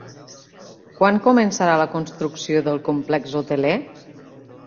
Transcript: Quan començarà la construcció del complex hoteler?